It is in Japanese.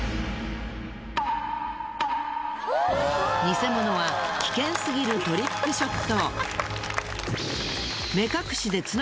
偽物は危険すぎるトリックショット。